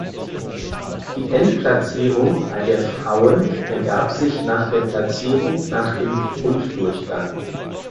Die Endplatzierung bei der Frauen ergab sich nach der Platzierung nach dem Grunddurchgang.